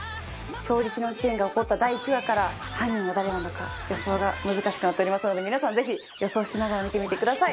衝撃の事件が起こった第１話から犯人が誰なのか予想が難しくなっておりますので皆さんぜひ予想しながら見てみてください。